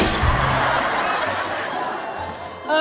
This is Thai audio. อะไรเนี่ย